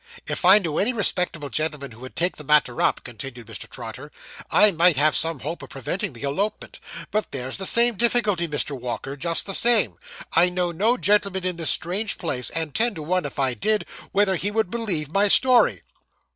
'If I knew any respectable gentleman who would take the matter up,' continued Mr. Trotter. 'I might have some hope of preventing the elopement; but there's the same difficulty, Mr. Walker, just the same. I know no gentleman in this strange place; and ten to one if I did, whether he would believe my story.